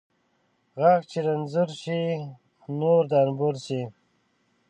ـ غاښ چې رنځور شي ، نور د انبور شي .